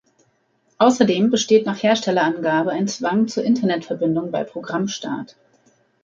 Außerdem besteht nach Herstellerangabe ein Zwang zur Internet-Verbindung bei Programmstart.